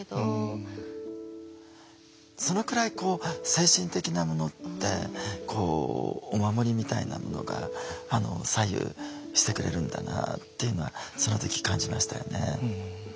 そのくらいこう精神的なものってお守りみたいなものが左右してくれるんだなっていうのはその時感じましたよね。